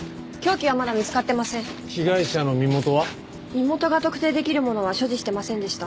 身元が特定できるものは所持してませんでした。